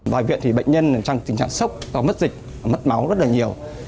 vào viện thì bệnh nhân trong tình trạng sốc mất dịch mất máu rất nhiều